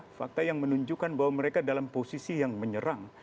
ada fakta yang menunjukkan bahwa mereka dalam posisi yang menyerang